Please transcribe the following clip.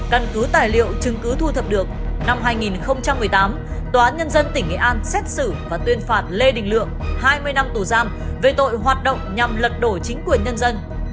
căn cứ tài liệu chứng cứ thu thập được năm hai nghìn một mươi tám tòa án nhân dân tỉnh nghệ an xét xử và tuyên phạt lê đình lượng hai mươi năm tù giam về tội hoạt động nhằm lật đổ chính quyền nhân dân